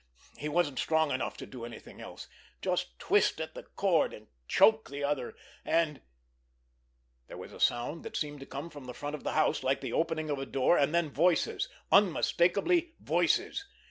He wasn't strong enough to do anything else—just twist at the cord—and choke the other—and—— There was a sound that seemed to come from the front of the house, like the opening of a door, and then voices—unmistakably voices.